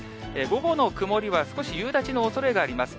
午後の曇りは、少し夕立のおそれがあります。